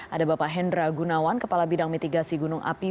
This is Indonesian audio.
ada bapak hendra gunawan kepala bidang mitigasi gunung api